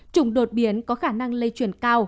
chủng đột biến có khả năng lây chuyển cao